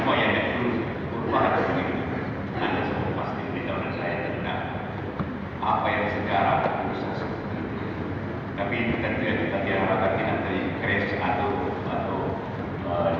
satu halnya itu apa yang terjadi setelah negeri kita ketua